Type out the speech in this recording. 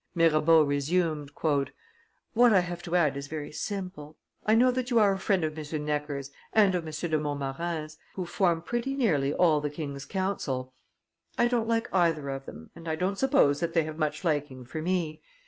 Mirabeau resumed: "What I have to add is very simple I know that you are a friend of M. Necker's and of M. de Montmorin's, who form pretty nearly all the king's council; I don't like either of them, and I don't suppose that they have much liking for me.